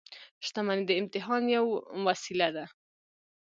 • شتمني د امتحان وسیله ده.